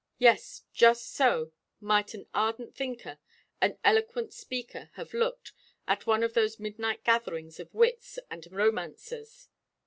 Yes, just so might an ardent thinker, an eloquent speaker have looked at one of those midnight gatherings of wits and romancers.